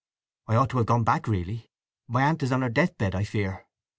"I ought to have gone back really! My aunt is on her deathbed, I fear."